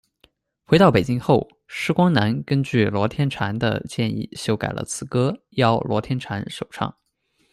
回到北京后，施光南根据罗天婵的建议修改了此歌，邀罗天婵首唱。